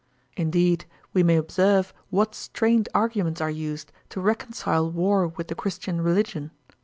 Indeed we may observe what strained arguments are used, to reconcile war with the Christian religion.